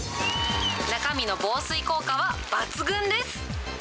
中身の防水効果は抜群です。